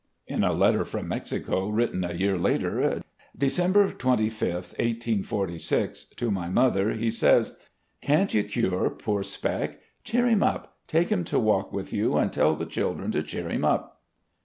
." In a letter from Mexico written a year later — December 25, '46, to my mother, he says: "... Can't you cure poor 'Spec.' Cheer him up — take him to walk with you and tell the children to cheer him up.